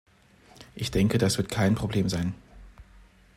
Ich denke, dass wird kein Problem sein.